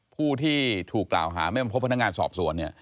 ผู้ที่ถูกกล่าวหาไม่มาพบพนักงานสอบสวนเนี่ย